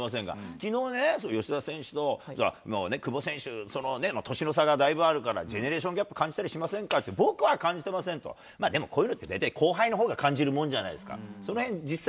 きのうね、吉田選手と久保選手、年の差がだいぶあるから、ジェネレーションギャップ感じたりしませんかって、僕は感じてませんと、でも、こういうのって大体、後輩のほうが感じるもんじゃないですか。